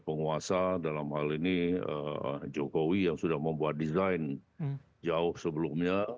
penguasa dalam hal ini jokowi yang sudah membuat desain jauh sebelumnya